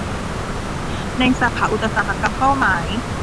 ในสาขาอุตสาหกรรมเป้าหมาย